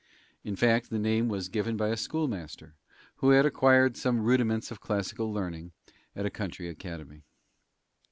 In fact, the name was given by a schoolmaster, who had acquired some rudiments of classical learning at a country academy.